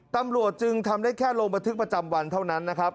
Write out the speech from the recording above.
ตำรวจจึงทำได้แค่ลงบันทึกประจำวันเท่านั้นนะครับ